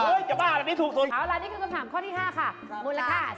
เอาละนี่คือคำถามข้อที่๕ค่ะ